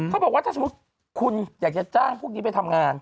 เขาบอกว่าถ้าสมมุติคุณอยากจะจ้างพวกนี้ไปทำงาน